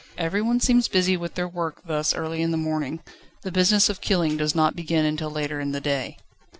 Everyone seems busy with their work this early in the morning: the business of killing does not begin until later in the day.